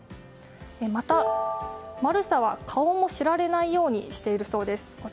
また、マルサは顔も知られないようにしているそうです。